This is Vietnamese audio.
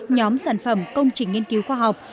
nhóm sản phẩm công trình nghiên cứu khoa học